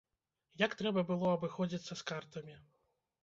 Як трэба было абыходзіцца з картамі?